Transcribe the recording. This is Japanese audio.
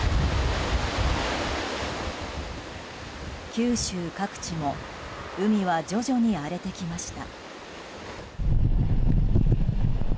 九州各地も海は徐々に荒れてきました。